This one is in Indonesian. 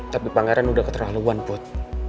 tapi pangeran udah keterlaluan buat